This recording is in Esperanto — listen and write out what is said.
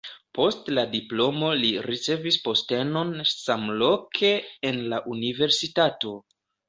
Post la diplomo li ricevis postenon samloke en la universitato.